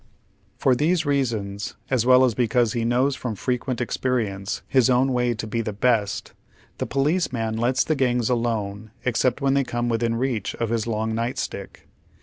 For these reasons, aa well as because he knows from fre quent experience his own way to be the best, the police man lets the gangs alone except when they come within reacli of liis long night stick.